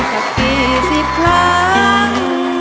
กับกี่สิบครั้ง